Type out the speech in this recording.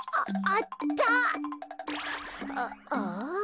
ああ？